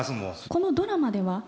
このドラマでは主人公